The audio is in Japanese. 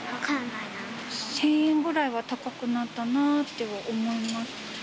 １０００円ぐらいは高くなったなと思います。